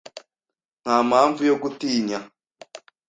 Nta mpamvu yo gutinya.